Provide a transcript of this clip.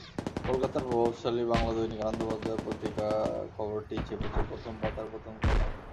কলকাতার প্রভাবশালী বাংলা দৈনিক আনন্দবাজার পত্রিকা খবরটি ছেপেছে প্রথম পাতার প্রথম কলামে।